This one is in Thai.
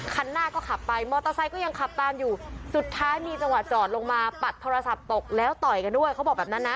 คันหน้าก็ขับไปมอเตอร์ไซค์ก็ยังขับตามอยู่สุดท้ายมีจังหวะจอดลงมาปัดโทรศัพท์ตกแล้วต่อยกันด้วยเขาบอกแบบนั้นนะ